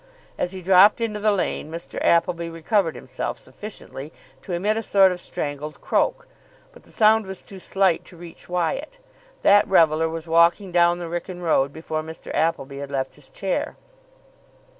As he dropped into the lane, Mr. Appleby recovered himself sufficiently to emit a sort of strangled croak, but the sound was too slight to reach Wyatt. That reveller was walking down the Wrykyn road before Mr. Appleby had left his chair.